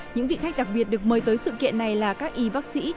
những vị khách đặc biệt được mời tới sự kiện này là các y bác sĩ